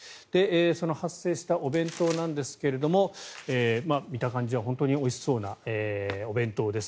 その発生したお弁当なんですが見た感じは本当においしそうなお弁当です。